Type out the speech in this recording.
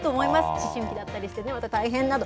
思春期だったりしてね、また大変なの。